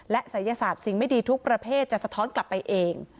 และศัยศาสตร์สิ่งไม่ดีทุกประเภทจะสะท้อนกลับไปเอง